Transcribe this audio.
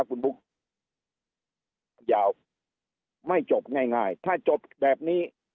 คุณพุกยาวไม่จบง่ายง่ายถ้าจบแบบนี้